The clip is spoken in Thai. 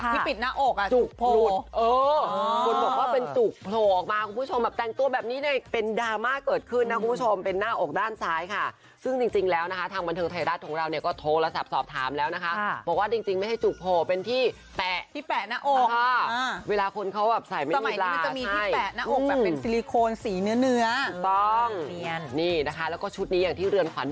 ที่ปิดหน้าอกอ่ะจุกโผลดเออคนบอกว่าเป็นจุกโผลดออกมาคุณผู้ชมแบบแต่งตัวแบบนี้เนี่ยเป็นดราม่าเกิดขึ้นนะคุณผู้ชมเป็นหน้าอกด้านซ้ายค่ะซึ่งจริงจริงแล้วนะคะทางบันเทิงไทยรัฐของเราก็โทรและสาบสอบถามแล้วนะคะบอกว่าจริงจริงไม่ใช่จุกโผลดเป็นที่แปะที่แปะหน้าอกค่ะเวลาคนเขาแบบใส่แม่นีลา